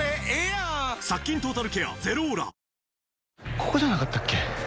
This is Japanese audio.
ここじゃなかったっけ？